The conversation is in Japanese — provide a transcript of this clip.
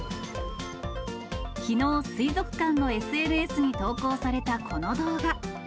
きのう、水族館のＳＮＳに投稿されたこの動画。